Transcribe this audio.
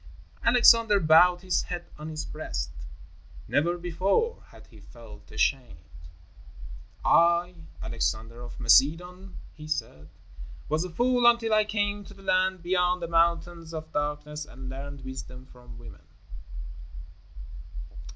Alexander bowed his head on his breast. Never before had he felt ashamed. "I, Alexander of Macedon," he said, "was a fool until I came to the land beyond the Mountains of Darkness and learned wisdom from women."